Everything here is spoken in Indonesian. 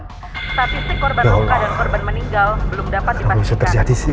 statistik korban luka dan korban meninggal belum dapat dipastikan